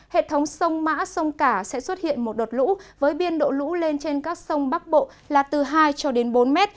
hệ thống sông mã sông cả sẽ xuất hiện một đợt lũ với biên độ lũ lên trên các sông bắc bộ là từ hai cho đến bốn m